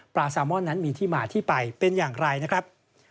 แซลมอนนั้นมีที่มาที่ไปเป็นอย่างไรนะครับ